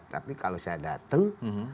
tapi kalau saya datang